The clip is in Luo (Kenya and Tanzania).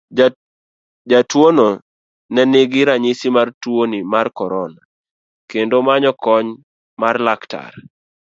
Jatuono ne nigi ranyisi mar tuoni mar korona kendo manyo kony mar laktar.